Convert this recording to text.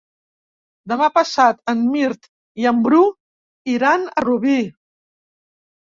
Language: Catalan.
Demà passat en Mirt i en Bru iran a Rubí.